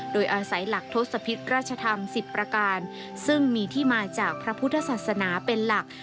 โดยอาศัยหลักทศพิษราชธรรม๑๐ประการซึ่งมีที่มาจากพระพุทธศาสนาเป็นหลัก